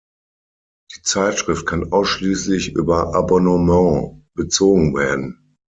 Die Zeitschrift kann ausschließlich über Abonnement bezogen werden.